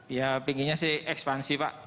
ya pinginnya sih ekspansi pak